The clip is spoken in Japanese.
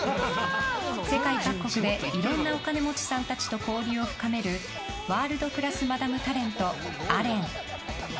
世界各国でいろんなお金持ちさんたちと交流を深めるワールドクラスマダムタレントアレン。